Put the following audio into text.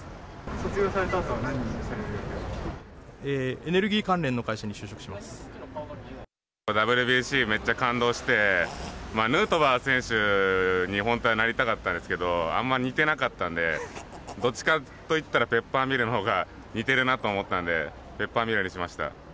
卒業されたあとは何をされるエネルギー関連の会社に就職ＷＢＣ、めっちゃ感動して、ヌートバー選手に本当はなりたかったんですけど、あんま似てなかったんで、どっちかと言ったらペッパーミルのほうが似てるなと思ったんで、ペッパーミルにしました。